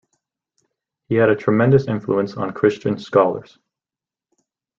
He had a tremendous influence on Christian scholars.